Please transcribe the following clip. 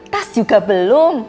tas juga belum